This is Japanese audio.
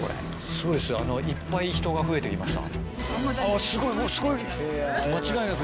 すごいっすよいっぱい人が増えてきました。